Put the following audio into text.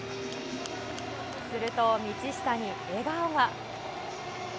すると道下に笑顔が。